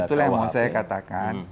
itulah yang mau saya katakan